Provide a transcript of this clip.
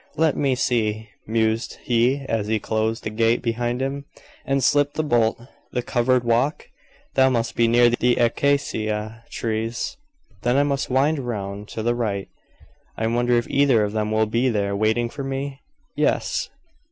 "Let me see," mused he as he closed the gate behind him, and slipped the bolt. "The covered walk? That must be near the acacia trees. Then I must wind round to the right. I wonder if either of them will be there, waiting for me?" Yes.